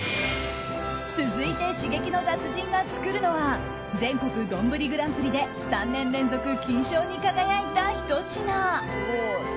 続いて刺激の達人が作るのは全国丼グランプリで３年連続金賞に輝いたひと品。